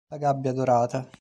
La gabbia dorata